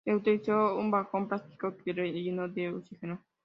Se utilizó un balón plástico que se rellenó de oxígeno.